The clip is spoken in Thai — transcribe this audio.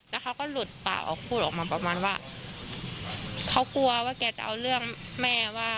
แล้วเขาก็หลุดปากออกพูดออกมาประมาณว่าเขากลัวว่าแกจะเอาเรื่องแม่ว่า